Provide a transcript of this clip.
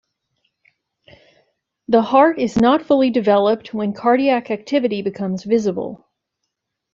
The heart is not fully developed when cardiac activity becomes visible.